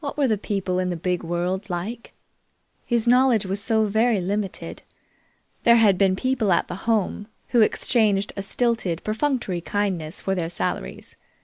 What were the people in the big world like? His knowledge was so very limited. There had been people at the Home, who exchanged a stilted, perfunctory kindness for their salaries.